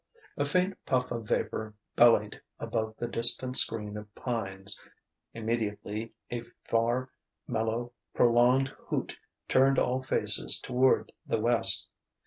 ... A faint puff of vapour bellied above the distant screen of pines. Immediately a far, mellow, prolonged hoot turned all faces toward the west.